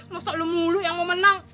masuk lo mulu yang mau menang